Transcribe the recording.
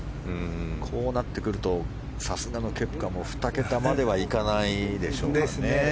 こうなってくるとさすがのケプカも２桁までは行かないでしょうね。